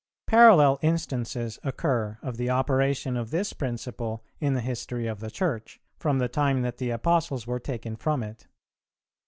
Parallel instances occur of the operation of this principle in the history of the Church, from the time that the Apostles were taken from it.